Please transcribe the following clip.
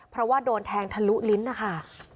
เพราะว่าโดนแทงทะลุลิ้นนะคะ